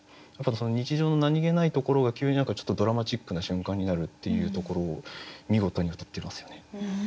日常の何気ないところが急にちょっとドラマチックな瞬間になるっていうところを見事にうたってますよね。